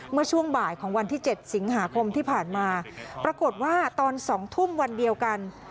เมื่อช่วงบ่ายของวันที่๗สิงหาคมที่ผ่านมาปรากฏว่าตอน๒ทุ่มวันเดียวกัน